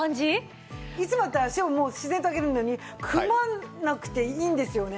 いつもだったら脚をもう自然と上げるのに組まなくていいんですよね。